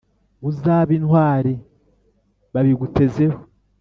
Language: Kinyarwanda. uzabe intwari babigutezeho